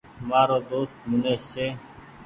مآرو دوست منيش ڇي